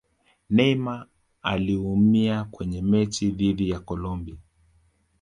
neymar aliumia kwenye mechi dhidi ya Colombia